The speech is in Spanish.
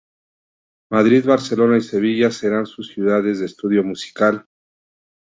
Madrid, Barcelona y Sevilla serán sus ciudades de estudio musical.